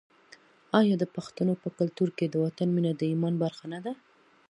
آیا د پښتنو په کلتور کې د وطن مینه د ایمان برخه نه ده؟